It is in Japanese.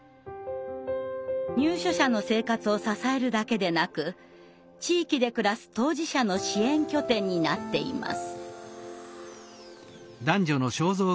入所者の生活を支えるだけでなく地域で暮らす当事者の支援拠点になっています。